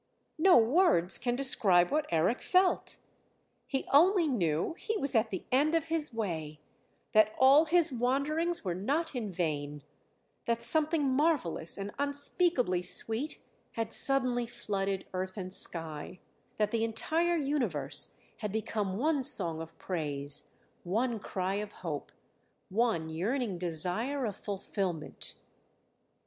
_] No words can describe what Eric felt! He only knew he was at the end of his way ... that all his wanderings were not in vain that something marvellous and unspeakably sweet had suddenly flooded earth and sky, that the entire universe had become one song of praise, one cry of hope, one yearning desire of fulfilment....